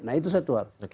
nah itu satu hal